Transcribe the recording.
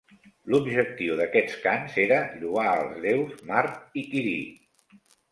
L'objectiu d'aquests cants era lloar els déus Mart i Quirí.